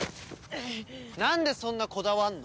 なんでそんなこだわんの？